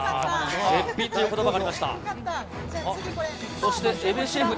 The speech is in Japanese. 絶品という言葉がありました。